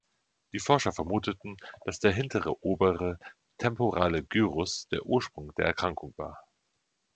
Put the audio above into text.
Die Forscher vermuteten, dass der hintere obere temporale Gyrus der Ursprung der Erkrankung war.